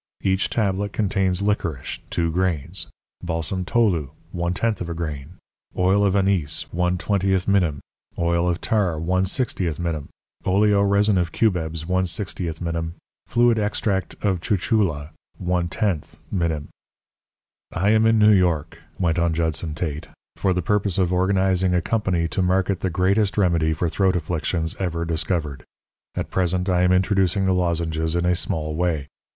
Each tablet contains licorice, 2 grains; balsam tolu, 1/10 grain; oil of anise, 1/20 minim; oil of tar, 1/60 minim; oleo resin of cubebs, 1/60 minim; fluid extract of chuchula, 1/10 minim. "I am in New York," went on Judson Tate, "for the purpose of organizing a company to market the greatest remedy for throat affections ever discovered. At present I am introducing the lozenges in a small way.